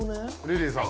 リリーさん。